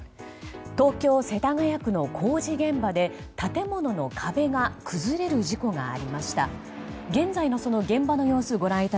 東京・世田谷区の工事現場で建物の壁が崩れる事故がありました。